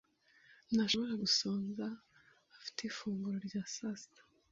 Ntashobora gusonza. Afite ifunguro rya sasita.